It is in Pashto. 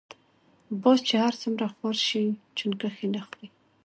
باز چی هر څومره خوار شی چونګښی نه خوري .